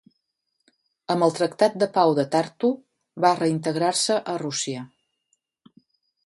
Amb el Tractat de Pau de Tartu, va reintegrar-se a Rússia.